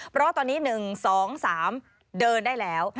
เพราะตอนนี้๑๒๓เดินได้แล้ว